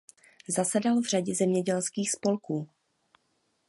Zasedal v řadě zemědělských spolků.